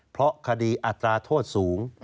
เพราะคดีอัตราโทษสูง